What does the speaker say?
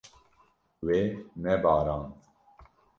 Wê nebarand.